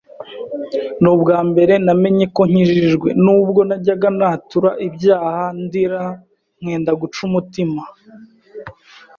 Ni ubwa mbere namenye ko nkijijwe, n’ubwo najyaga natura ibyaha ndira nkenda guca umutima.